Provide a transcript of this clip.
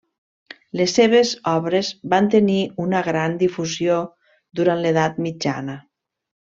Les seves obres van tenir una gran difusió durant l'Edat mitjana.